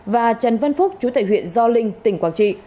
và trần vân phúc trú tại huyện do linh tỉnh quảng trị